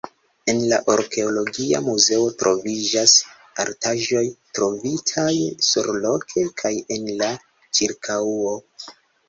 En la arkeologia muzeo troviĝas artaĵoj trovitaj surloke kaj en la ĉirkaŭo.